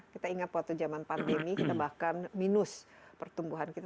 kita ingat waktu zaman pandemi kita bahkan minus pertumbuhan kita